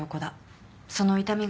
「その痛みが」